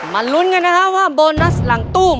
ลุ้นกันนะครับว่าโบนัสหลังตู้